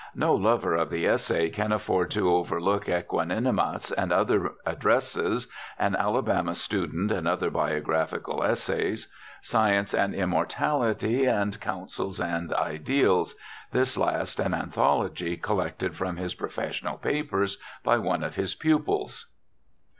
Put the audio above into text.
No lover of the essay can afford to overlook _Æquanimitas and Other Addresses, An Alabama Student and Other Biographical Essays, Science and Immortality and Counsels and Ideals_, this last an anthology collected from his professional papers by one of his pupils.